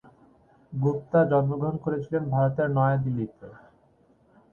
গুপ্তা জন্মগ্রহণ করেছিলেন ভারতের নয়া দিল্লীতে।